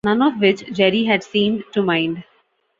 None of which Jerry had seemed to mind.